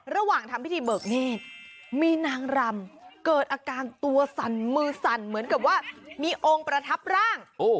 ระหว่างทำพิธีเบิกเนธมีนางรำเกิดอาการตัวสั่นมือสั่นเหมือนกับว่ามีองค์ประทับร่าง